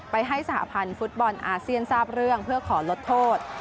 ไปให้สหพันธ์ฟุตบอลอาเซียนทราบเรื่องเพื่อขอลดโทษ